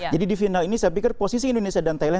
jadi di final ini saya pikir posisi indonesia dan thailand